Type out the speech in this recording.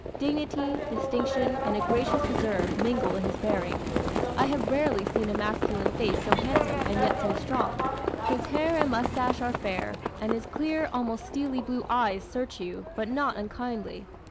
Dignity, distinction, and a gracious reserve mingle in his bearing. I have rarely seen a masculine face so handsome and yet so strong. His hair and mustache are fair, and his clear, almost steely blue eyes search you, but not unkindly.